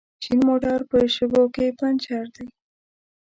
شين موټر په شګو کې پنچر دی